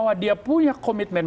saya mengatakan bahwa